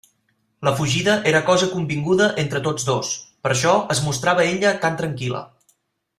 La fugida era cosa convinguda entre tots dos: per això es mostrava ella tan tranquil·la.